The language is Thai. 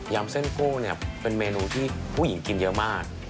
ยำเส้นโก้เป็นเมนูที่ผู้หญิงกินเยอะมาก